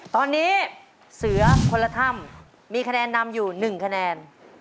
ตอนนี้เสือคนละถ้ำมีคะแนนนำอยู่๑คะแนน